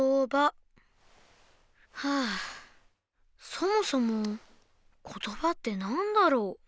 そもそも言葉って何だろう？